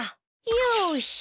よし。